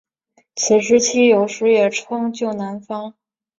此时期有时也称旧南方。